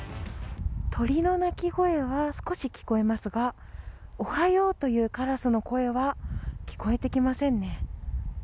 鳥の鳴き声は少し聞こえますが「おはよう」というカラスの声は聞こえてきませんね。